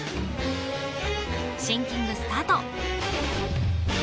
シンキングスタート